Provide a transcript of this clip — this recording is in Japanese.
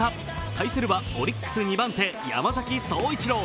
対するはオリックス２番手山崎颯一郎。